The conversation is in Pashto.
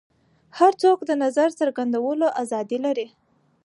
هر څوک د نظر څرګندولو ازادي لري.